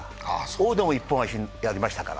王でも一本足やりましたから。